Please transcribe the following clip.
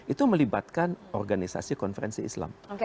itu melibatkan organisasi konferensi islam